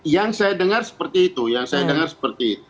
yang saya dengar seperti itu yang saya dengar seperti itu